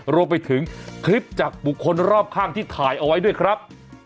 รวมไปถึงคลิปจากบุคคลรอบข้างที่ถ่ายเอาไว้ด้วยครับ